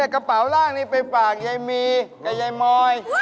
กระเป๋าร่างนี้ไปฝากยายมีกับยายมอย